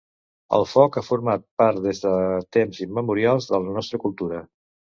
El foc ha format part des de temps immemorials de la nostra cultura.